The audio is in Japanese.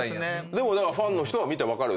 でもファンの人は見て分かる。